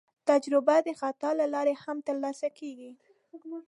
تجربه د خطا له لارې هم ترلاسه کېږي.